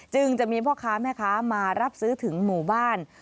จะมีพ่อค้าแม่ค้ามารับซื้อถึงหมู่บ้าน